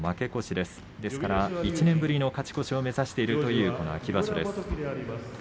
ですから１年ぶりの勝ち越しを目指しているというこの場所です。